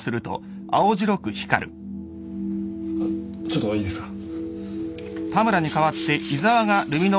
ちょっといいですか？